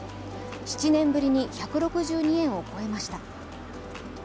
７年ぶりに１６２円を超えました。